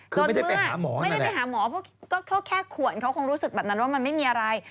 เมื่อไม่ได้ไปหาหมอเพราะก็แค่ขวนเขาคงรู้สึกแบบนั้นว่ามันไม่มีอะไร